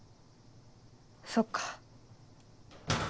そっか。